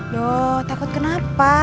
loh takut kenapa